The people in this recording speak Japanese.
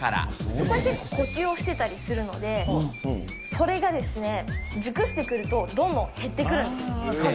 そこで結構呼吸をしてたりするので、それがですね、熟してくると、どんどん減ってくるんです。